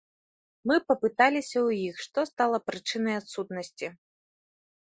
Мы папыталіся ў іх, што стала прычынай адсутнасці.